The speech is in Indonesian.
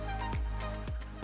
sari tahu yang sudah dibuka